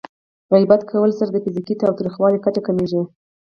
غیبت کولو سره د فزیکي تاوتریخوالي کچه کمېږي.